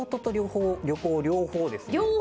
両方！